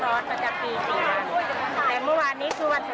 ซึ่งครั้งแรกบริษัทประกาศให้พนักงานหยุดภาครอศจากปี๔น